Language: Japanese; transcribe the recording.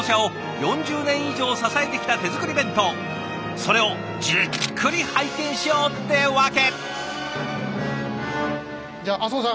それをじっくり拝見しようってわけ。